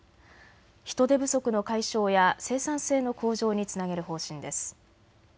人手不足の解消や生産性の向上につなげる方針です。